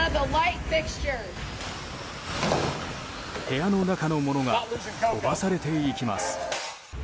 部屋の中のものが飛ばされていきます。